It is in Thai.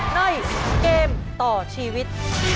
ในเกมต่อชีวิต